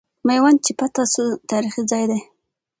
میوند چې فتح سو، تاریخي ځای دی.